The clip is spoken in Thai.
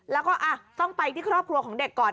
แล้วก็ต้องไปที่ครอบครัวของเด็กก่อน